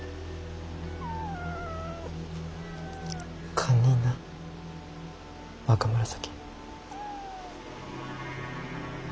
堪忍な若紫。